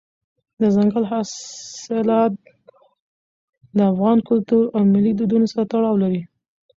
دځنګل حاصلات د افغان کلتور او ملي دودونو سره تړاو لري.